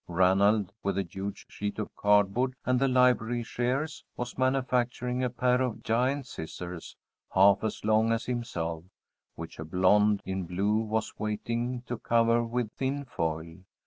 Ranald, with a huge sheet of cardboard and the library shears, was manufacturing a pair of giant scissors, half as long as himself, which a blonde in blue was waiting to cover with tin foil.